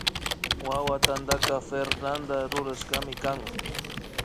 Wawa tantaka Fernada rurashkami kan